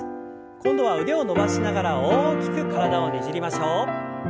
今度は腕を伸ばしながら大きく体をねじりましょう。